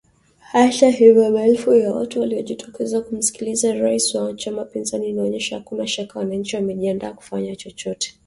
Hata hivyo maelfu ya watu waliojitokeza kumsikiliza rais wa chama pinzani inaonyesha hakuna shaka wananchi wamejiandaa kufanya chochote